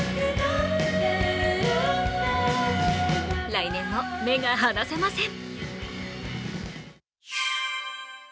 来年も目が離せません。